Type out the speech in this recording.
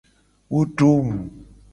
Wo do ngku.